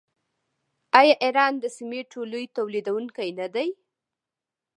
آیا ایران د سمنټو لوی تولیدونکی نه دی؟